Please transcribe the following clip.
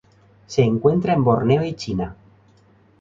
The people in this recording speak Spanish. Se encuentra en Borneo y China.